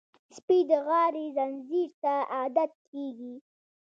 سپي د غاړې زنځیر ته عادت کېږي.